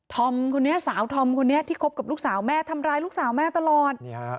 อมคนนี้สาวธอมคนนี้ที่คบกับลูกสาวแม่ทำร้ายลูกสาวแม่ตลอด